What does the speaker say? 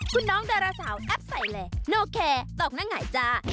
คุณน้องดาราสาวแอปใส่แลนโนแคร์ตอกหน้าหงายจ้า